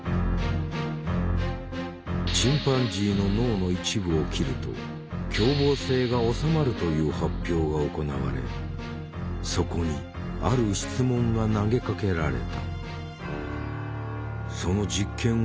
チンパンジーの脳の一部を切ると凶暴性がおさまるという発表が行われそこにある質問が投げかけられた。